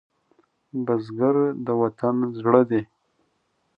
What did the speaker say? بزګر د وطن زړه دی